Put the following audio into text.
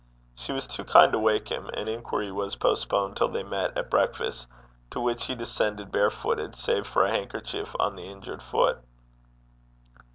She was too kind to wake him, and inquiry was postponed till they met at breakfast, to which he descended bare footed, save for a handkerchief on the injured foot.